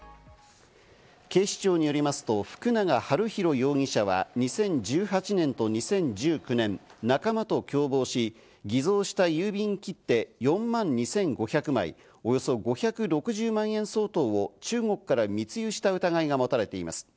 警視庁によりますと福永悠宏容疑者は、２０１８年と２０１９年、仲間と共謀し偽造した郵便切手４万２５００枚、およそ５６０万円相当を中国から密輸した疑いが持たれています。